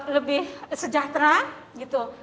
lebih sejahtera gitu